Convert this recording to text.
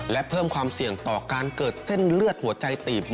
และเพิ่มความเสี่ยงต่อการเกิดเส้นเลือดหัวใจตีบ